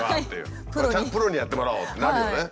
「ちゃんとプロにやってもらおう」ってなるよね。